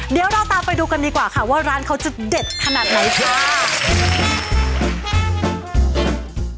เดี๋ยวเราตามไปดูกันดีกว่าค่ะว่าร้านเขาจะเด็ดขนาดไหนค่ะ